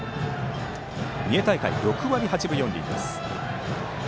三重大会、６割８分４厘でした。